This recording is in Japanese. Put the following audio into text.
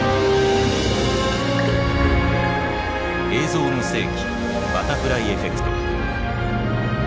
「映像の世紀バタフライエフェクト」。